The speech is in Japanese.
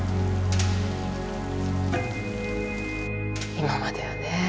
今まではね